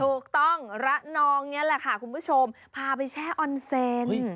ถูกต้องระนองนี้แหละค่ะคุณผู้ชมพาไปแช่ออนเซน